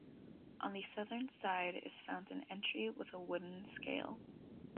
On the southern side is found an entry with a wooden scale.